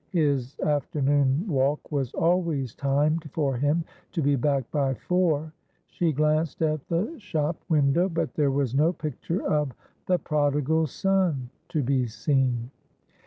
His afternoon walk was always timed for him to be back by four. She glanced at the shop window, but there was no picture of "The Prodigal Son" to be seen.